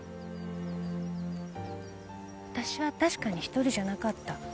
あたしは確かに１人じゃなかった。